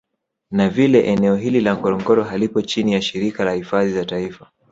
Na vile eneo hili la Ngorongoro halipo chini ya shirika la hifadhi za taifa